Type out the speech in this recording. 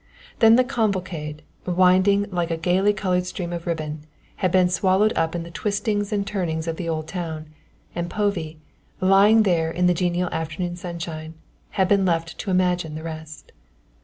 Then the cavalcade, winding like a gaily coloured stream of ribbon, had been swallowed up in the twistings and turnings of the old town, and Povey, lying there in the genial afternoon sunshine, had been left to imagine the rest.